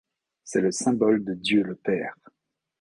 C’est le symbole de Dieu le Père.